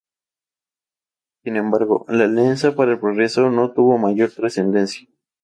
Sin embargo, la Alianza para el Progreso no tuvo mayor trascendencia.